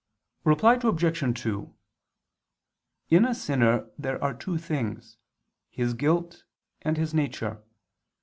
Reply Obj. 2: In a sinner there are two things, his guilt and his nature.